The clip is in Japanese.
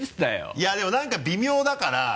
いやでも何か微妙だから。